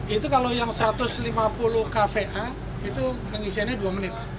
itu kalau yang satu ratus lima puluh kva itu pengisiannya dua menit